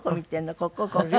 ここここ。